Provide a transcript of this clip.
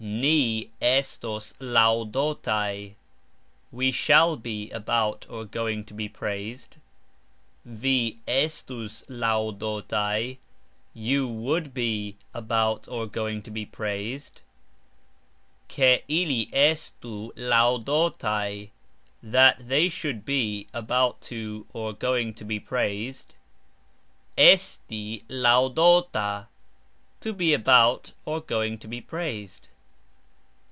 Ni estos lauxdotaj .......... We shall be about (going) to be praised. Vi estus lauxdotaj .......... You would be about (going) to be praised. (Ke) ili estu lauxdotaj ..... (That) they should be about (going) to be praised. Esti lauxdota ............... To be about (going) to be praised.